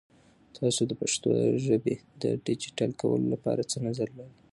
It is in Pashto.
تاسو د پښتو ژبې د ډیجیټل کولو لپاره څه نظر لرئ؟